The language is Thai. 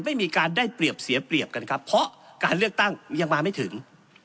ไม่มีการได้เปรียบเสียเปรียบกันครับเพราะการเลือกตั้งยังมาไม่ถึง